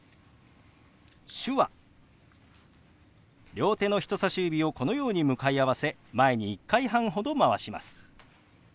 両手の人さし指をこのように向かい合わせ前に１回半ほどまわします。